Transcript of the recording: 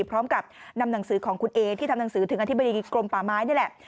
พร้อมกับนำหนังสือของคุณเอที่ทำหนังสือถึงอธิบดีกรมป่าไม้นี่แหละ